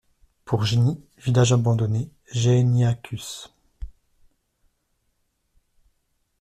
Pour Gigny, village abandonné : Gehenniacus.